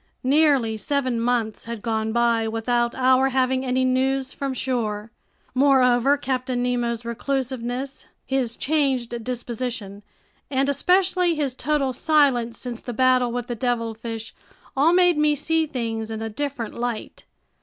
Nearly seven months had gone by without our having any news from shore. Moreover, Captain Nemo's reclusiveness, his changed disposition, and especially his total silence since the battle with the devilfish all made me see things in a different light.